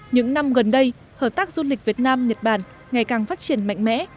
những năm gần đây hợp tác du lịch việt nam nhật bản ngày càng phát triển mạnh mẽ